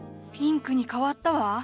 ピンクに変わったわ！